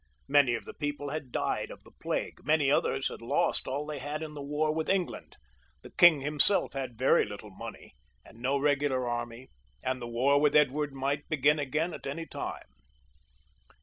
Many of the people had died of the plague, many others had lost all they had in the war with England ; the king himself had very little money, and no regular army ; and the war with Edward might begin again at any time.